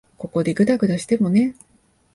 ここでぐだぐだしてもね。